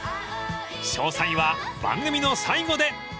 ［詳細は番組の最後で］